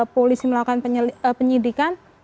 polisi melakukan penyidikan